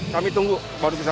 kami tunggu baru bisa